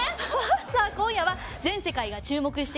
さあ今夜は全世界が注目しています